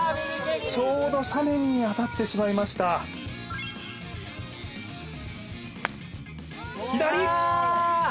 ちょうど斜面に当たってしまいました左！